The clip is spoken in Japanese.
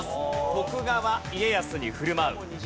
徳川家康に振る舞う。